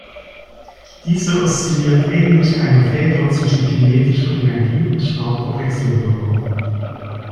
Diese oszilliert ähnlich einer Feder zwischen kinetischer Energie und starker Wechselwirkung.